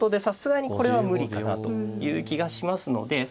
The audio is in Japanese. さすがにこれは無理かなという気がしますので。